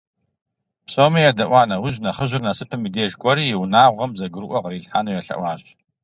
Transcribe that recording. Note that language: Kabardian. Псоми едэӀуа нэужь, нэхъыжьыр Насыпым и деж кӀуэри и унагъуэм зэгурыӀуэ кърилъхьэну елъэӀуащ.